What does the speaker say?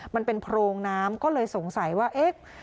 มันเป็นโพรงน้ำก็เลยสงสัยว่าเอ๊ะ